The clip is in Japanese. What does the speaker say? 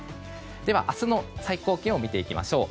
では、明日の最高気温見ていきましょう。